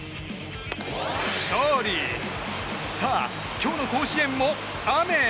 さあ、今日の甲子園も雨。